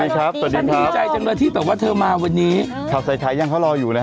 ก็มีใจจังเลยที่แปลว่าเธอมาวันนี้ชาวไซคายังเขารออยู่นะฮะ